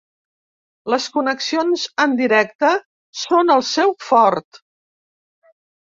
Les connexions en directe són el seu fort.